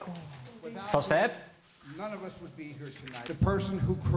そして。